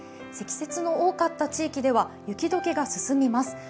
積雪の多かった地域では雪解けが進みます。